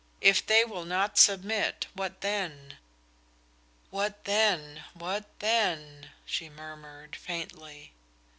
If they will not submit what then?" "What then what then?" she murmured, faintly.